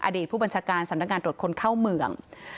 อดีตผู้บัญชาการสำนักงานตรวจคนเข้าเมือง